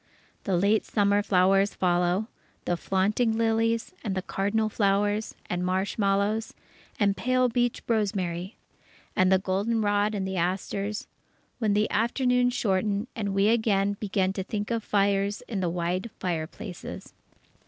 The late summer flowers follow, the flaunting lilies, and cardinal flowers, and marshmallows, and pale beach rosemary; and the goldenrod and the asters, when the afternoons shorten and we again begin to think of fires in the wide fireplaces.